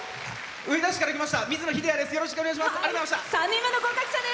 上田市から来ましたみずのです。